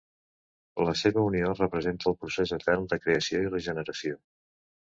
La seva unió representa el procés etern de creació i regeneració.